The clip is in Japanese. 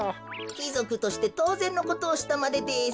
きぞくとしてとうぜんのことをしたまでです。